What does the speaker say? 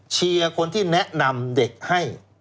เชียร์คนที่แนะนำเด็กให้